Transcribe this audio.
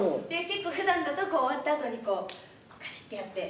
結構ふだんだと終わったあとにパシってやって。